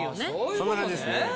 そんな感じですね。